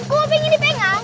gue pengen dipengang